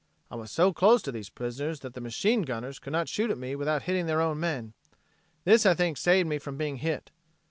I was so close to these prisoners that the machine gunners could not shoot at me without hitting their own men. This I think saved me from being hit.